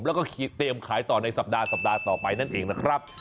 แล้วก็เตรียมขายต่อในสัปดาห์สัปดาห์ต่อไปนั่นเองนะครับ